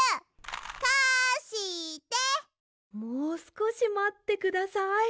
もうすこしまってください。